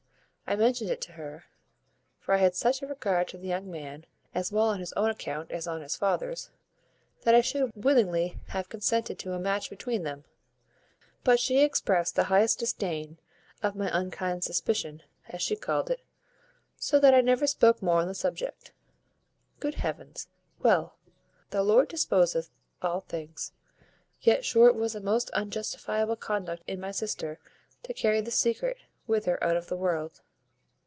I mentioned it to her; for I had such a regard to the young man, as well on his own account as on his father's, that I should willingly have consented to a match between them; but she exprest the highest disdain of my unkind suspicion, as she called it; so that I never spoke more on the subject. Good heavens! Well! the Lord disposeth all things. Yet sure it was a most unjustifiable conduct in my sister to carry this secret with her out of the world."